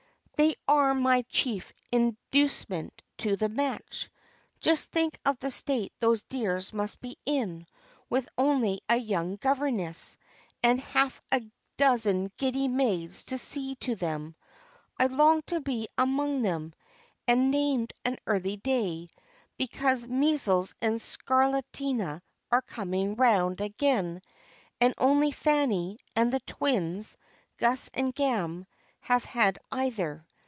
"They are my chief inducement to the match. Just think of the state those dears must be in, with only a young governess, and half a dozen giddy maids to see to them. I long to be among them, and named an early day, because measles and scarlatina are coming round again, and only Fanny, and the twins, Gus and Gam, have had either.